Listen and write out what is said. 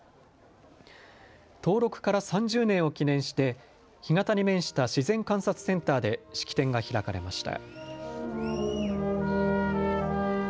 登録から３０年を記念して干潟に面した自然観察センターで式典が開かれました。